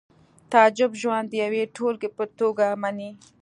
تعجب ژوند د یوې ټولګې په توګه مني